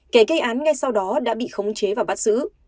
kẻ gây án ngay sau đó đã bị khống chế và bắt giữ